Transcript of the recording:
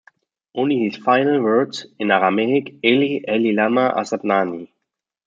Only his final words, in Aramaic, Eli, Eli lama asabthani?